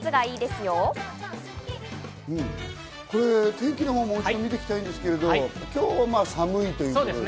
天気の方、もう一度見ていきたいんですけれど、今日は寒いんですね。